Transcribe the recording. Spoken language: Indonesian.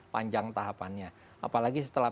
panjang tahapannya apalagi setelah